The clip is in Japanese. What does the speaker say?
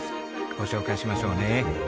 ご紹介しましょうね。